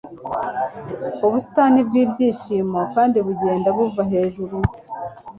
ubusitani bwibyishimo kandi bugenda buva hejuru